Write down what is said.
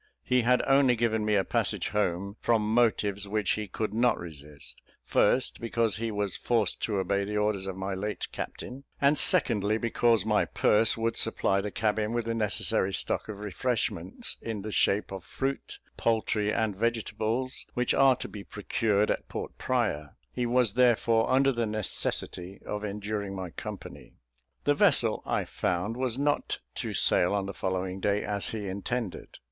He had only given me a passage home, from motives which he could not resist; first, because he was forced to obey the orders of my late captain; and, secondly, because my purse would supply the cabin with the necessary stock of refreshments, in the shape of fruit, poultry, and vegetables, which are to be procured at Port Praya; he was therefore under the necessity of enduring my company. The vessel, I found, was not to sail on the following day, as he intended.